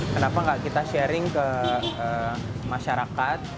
kenapa nggak kita sharing ke masyarakat